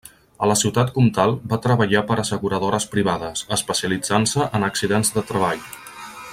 A la ciutat comtal va treballar per asseguradores privades, especialitzant-se en accidents de treball.